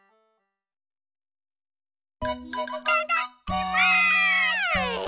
いただきます！